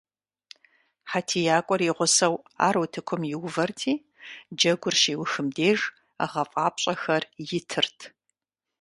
ХьэтиякӀуэр и гъусэу ар утыкум иувэрти, джэгур щиухым деж гъэфӀапщӀэхэр итырт.